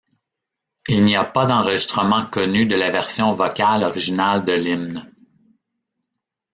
Il n'y a pas d'enregistrement connu de la version vocale originale de l'hymne.